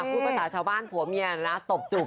พูดภาษาชาวบ้านผัวเมียนะตบจุก